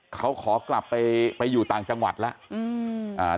เขาขอกลับไปอยู่ต่างจังหวัดแล้ว